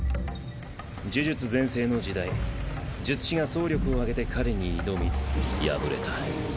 呪術全盛の時代術師が総力を挙げて彼に挑み敗れた。